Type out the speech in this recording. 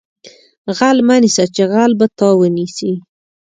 غل مه نیسه چې غل به تا ونیسي